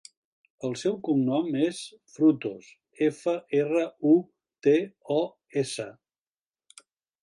El seu cognom és Frutos: efa, erra, u, te, o, essa.